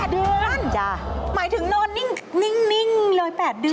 ๘เดือนหมายถึงนอนนิ่งเลย๘เดือน